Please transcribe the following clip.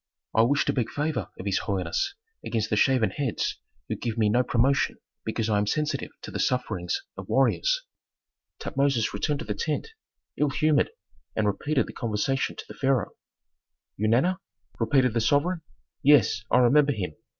"I wish to beg favor of his holiness against the shaven heads who give me no promotion because I am sensitive to the sufferings of warriors." Tutmosis returned to the tent, ill humored, and repeated the conversation to the pharaoh. "Eunana?" repeated the sovereign. "Yes, I remember him.